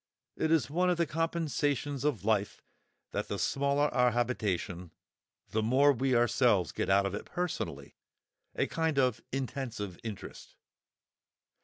It is one of the compensations of life that the smaller our habitation, the more we ourselves get out of it personally—a kind of "intensive" interest.